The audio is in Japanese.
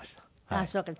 ああそうか。